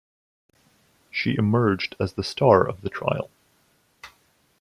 She emerged as the star of the trial.